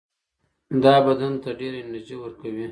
دا بدن ته ډېره انرژي ورکوي.